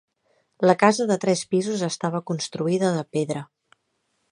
La casa de tres pisos estava construïda de pedra.